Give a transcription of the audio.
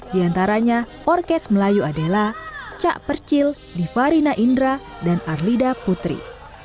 di antaranya orkes melayu adela cak percil divarina indra dan arlida putri